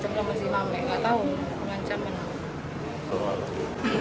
mengancam sama si mame gak tahu